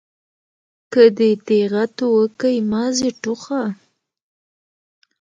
که دي دېغت وکئ ماضي ټوخه.